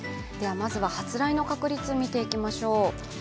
まずは発雷の確率を見ていきましょう。